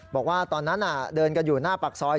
บอกว่าตอนนั้นเดินกันอยู่หน้าปากซอย